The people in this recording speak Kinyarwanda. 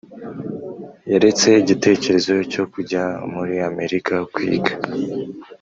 yaretse igitekerezo cyo kujya muri amerika kwiga.